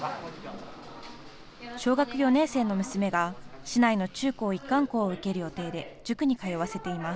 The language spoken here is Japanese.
小学４年生の娘が市内の中高一貫校を受ける予定で塾に通わせています。